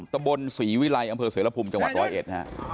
ตะบนศรีวิลัยอำเภอเสรภูมิจังหวัดร้อยเอ็ดนะฮะ